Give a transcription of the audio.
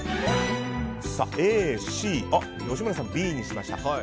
Ａ、Ｃ吉村さんはＢにしました。